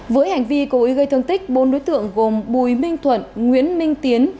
với hành vi cố ý gây thương tích bốn đối tượng gồm bùi minh thuận nguyễn minh tiến